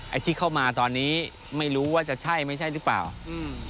ไอ้ที่เข้ามาตอนนี้ไม่รู้ว่าจะใช่ไม่ใช่หรือเปล่าอืม